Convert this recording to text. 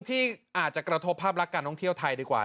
ที่อาจจะกระทบภาพลักษณ์การท่องเที่ยวไทยดีกว่า